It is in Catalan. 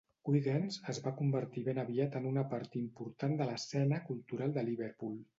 Quiggins es va convertir ben aviat en una part important de l'escena cultural de Liverpool.